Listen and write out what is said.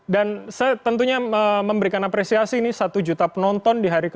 dan saya tentunya memberikan apresiasi ini satu juta penonton di hari ke sepuluh